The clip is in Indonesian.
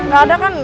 gak ada kan